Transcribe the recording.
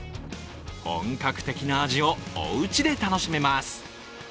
本格的な味をおうちで楽しめます。